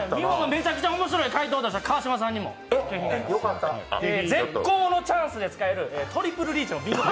めちゃくちゃ面白い回答を出した川島さんにも、絶好のチャンスで使えるトリプルリーチ３つ。